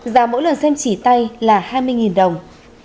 giá mỗi lần xem chỉ tay là hai mươi đồng